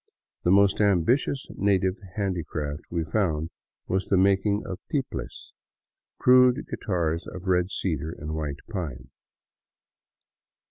The most ambitious native handicraft we found was the making of tiples, crude guitars of red cedar and white pine.